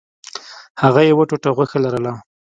هغه یوه ټوټه غوښه لرله.